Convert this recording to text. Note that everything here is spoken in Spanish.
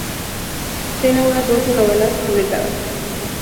Tiene unas once novelas publicadas.